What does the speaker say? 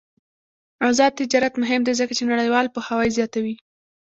آزاد تجارت مهم دی ځکه چې نړیوال پوهاوی زیاتوي.